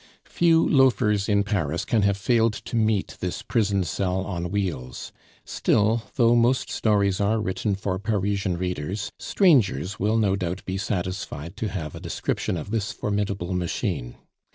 Few loafers in Paris can have failed to meet this prison cell on wheels; still, though most stories are written for Parisian readers, strangers will no doubt be satisfied to have a description of this formidable machine.